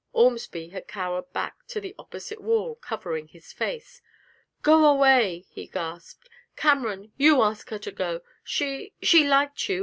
Ormsby had cowered back to the opposite wall, covering his face. 'Go away!' he gasped. 'Cameron you ask her to go. She she liked you....